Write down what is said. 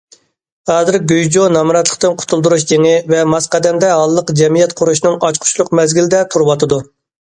ھازىر گۇيجۇ نامراتلىقتىن قۇتۇلدۇرۇش جېڭى ۋە ماس قەدەمدە ھاللىق جەمئىيەت قۇرۇشنىڭ ئاچقۇچلۇق مەزگىلىدە تۇرۇۋاتىدۇ.